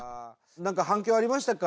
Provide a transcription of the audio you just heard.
「なんか反響ありましたか？